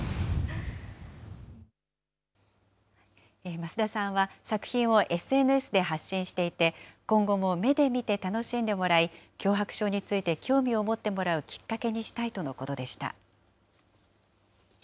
増田さんは、作品をＳＮＳで発信していて、今後も目で見て楽しんでもらい、強迫症について興味を持ってもらうきっかけにしたいとのことでした。